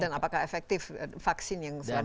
dan apakah efektif vaksin yang selama ini sudah diberikan